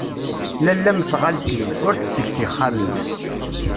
Lalla mm tɣaltin, ur tettegg tixxamin.